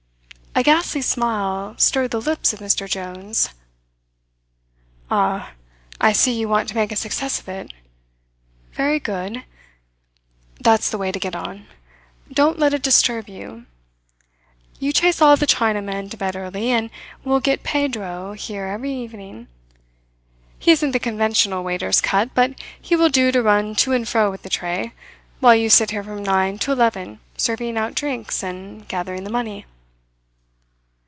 A ghastly smile stirred the lips of Mr. Jones. "Ah, I see you want to make a success of it. Very good. That's the way to get on. Don't let it disturb you. You chase all the Chinamen to bed early, and we'll get Pedro here every evening. He isn't the conventional waiter's cut, but he will do to run to and fro with the tray, while you sit here from nine to eleven serving out drinks and gathering the money."